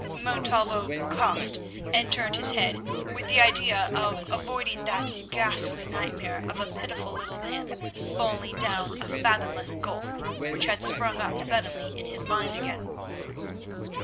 Montalvo coughed and turned his head with the idea of avoiding that ghastly nightmare of a pitiful little man falling down a fathomless gulf which had sprung up suddenly in his mind again.